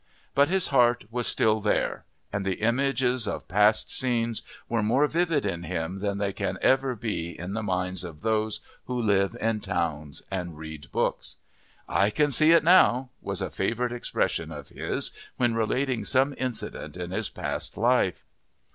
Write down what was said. But his heart was there still, and the images of past scenes were more vivid in him than they can ever be in the minds of those who live in towns and read books. "I can see it now," was a favourite expression of his when relating some incident in his past life.